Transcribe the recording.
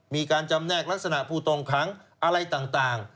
มีการจำแนกลักษณะผู้ต้องขังอะไรต่าง